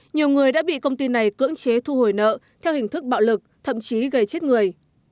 nhiều người đã bị công ty này cưỡng chế thu hồi nợ theo hình thức bạo lực thậm chí gây chết người